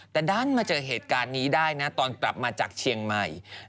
แต่ด้านมาเจอเหตุการณ์นี้ได้นะตอนกลับมาจากเชียงใหม่